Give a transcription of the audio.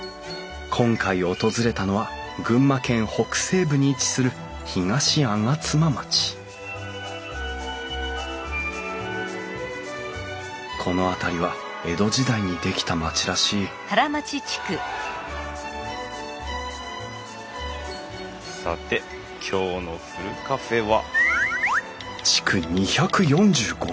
今回訪れたのは群馬県北西部に位置する東吾妻町この辺りは江戸時代に出来た町らしいさて今日のふるカフェは。